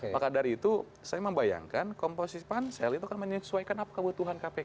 maka dari itu saya membayangkan komposisi pansel itu akan menyesuaikan apa kebutuhan kpk